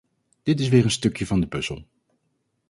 Dit is weer een stukje van de puzzel.